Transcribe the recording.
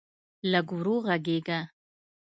لږ ورو غږېږه.